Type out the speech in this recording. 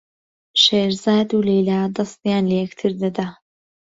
شێرزاد و لەیلا دەستیان لە یەکتر دەدا.